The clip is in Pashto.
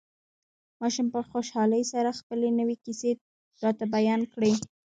ماشوم په خوشحالۍ سره خپلې نوې کيسې راته بيان کړې.